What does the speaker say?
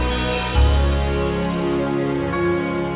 assalamualaikum warahmatullahi wabarakatuh